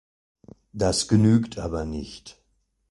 Das genügt aber nicht.